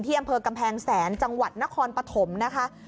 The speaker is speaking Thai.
อำเภอกำแพงแสนจังหวัดนครปฐมนะคะ